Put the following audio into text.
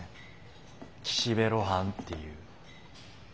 「岸辺露伴」っていう。